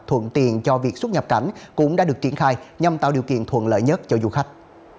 thuận tiện cho việc xuất nhập cảnh cũng đã được triển khai nhằm tạo điều kiện thuận lợi nhất cho du khách